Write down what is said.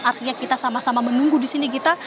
artinya kita sama sama menunggu disini kita